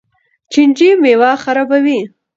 چینجي میوه خرابوي.